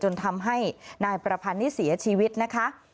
จนทำให้นายประพันธ์นี้เสียชีวิตนะคะ